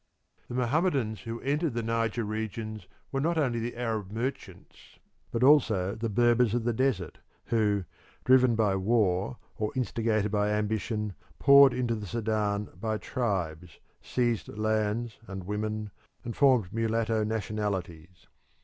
The Mohammedans who entered the Niger regions were not only the Arab merchants but also the Berbers of the desert, who, driven by war or instigated by ambition, poured into the Sudan by tribes, seized lands and women, and formed mulatto nationalities.